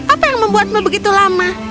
apa yang membuatmu begitu lama